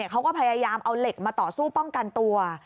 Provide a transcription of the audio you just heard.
เขาก็พยายามเอาเหล็กมาต่อสู้ป้องกันตัว